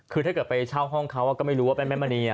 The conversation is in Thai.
คือถ้าเกิดไปเช่าห้องเขาก็ไม่รู้ว่าเป็นแม่มณี